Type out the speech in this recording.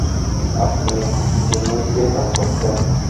আপনি গিনেইতে কাজ করতেন?